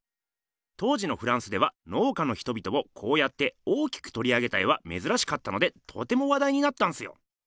当時のフランスでは農家の人々をこうやって大きくとり上げた絵はめずらしかったのでとてもわだいになったんすよ。